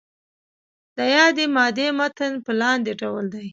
د یادې مادې متن په لاندې ډول دی.